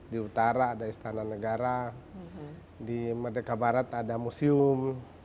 di utara ada istana negara di merdeka barat ada museum